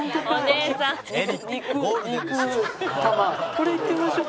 これいってみましょう。